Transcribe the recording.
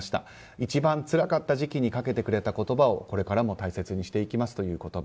一番つらかった時期にかけてくれた言葉をこれからも大切にしていきますという言葉。